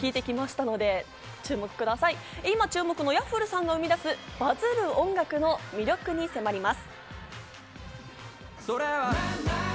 今注目のＹａｆｆｌｅさんが生み出すバズる音楽を魅力に迫ります。